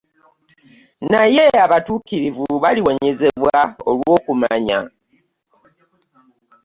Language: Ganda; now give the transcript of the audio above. Naye abatuukirivu baliwonyezebwa olw'okumanya.